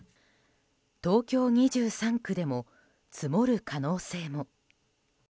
東京２３区でも積もる可能性も。